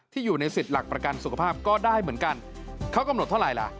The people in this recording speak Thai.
อยู่ในสิทธิ์หลักประกันสุขภาพก็ได้เหมือนกันเขากำหนดเท่าไหร่ล่ะ